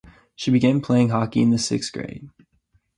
She began playing hockey in the sixth grade.